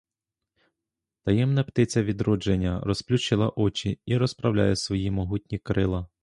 Таємна птиця відродження розплющила очі і розправляє свої могутні крила.